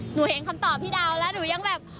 เห็นคำตอบพี่ดาวแล้วหนูยังแบบ